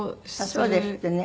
そうですってね。